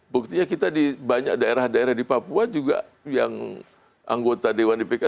buktinya kita di banyak daerah daerah di papua juga yang anggota dewan di pk